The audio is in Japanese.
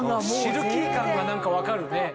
シルキー感が分かるね。